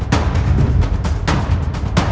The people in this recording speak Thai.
ตอนที่สุดมันกลายเป็นสิ่งที่ไม่มีความคิดว่า